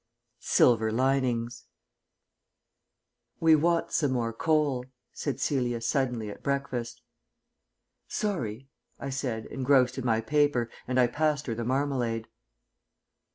SILVER LININGS "We want some more coal," said Celia suddenly at breakfast. "Sorry," I said, engrossed in my paper, and I passed her the marmalade.